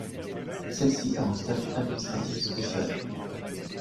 Celle-ci a un statut administratif spécial.